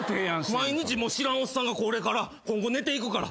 毎日知らんおっさんがこれから今後寝ていくから。